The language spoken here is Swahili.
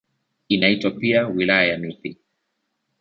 Inaitwa pia "Wilaya ya Nithi".